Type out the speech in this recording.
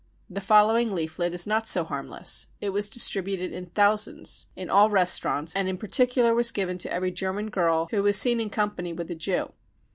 The following leaflet is not so harmless ; it was distributed in thousands in all restaurants, and in particular was given to every German girl who was seen in company with a Jew.